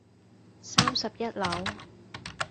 三十一樓